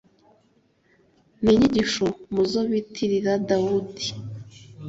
Ni inyigisho mu zo bitirira Dawudi